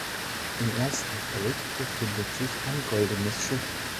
Im ersten Feld befindet sich ein goldenes Schiff.